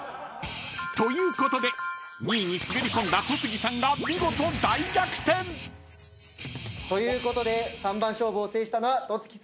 ［ということで２位に滑り込んだ戸次さんが見事大逆転！］ということで三番勝負を制したのは戸次さん。